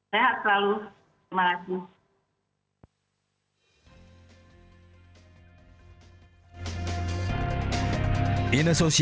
sehat selalu terima kasih